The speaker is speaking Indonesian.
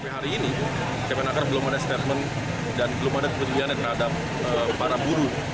hari ini kemenangker belum ada statement dan belum ada kebenciannya terhadap para buruh